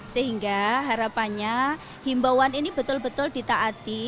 sehingga harapannya himbauan ini betul betul ditaati